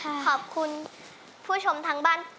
ขอบคุณผู้ชมทางบ้าน